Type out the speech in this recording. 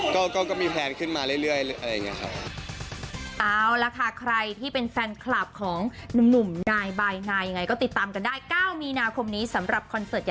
ก็มีแพลนขึ้นมาเรื่อยอะไรอย่างนี้ครับ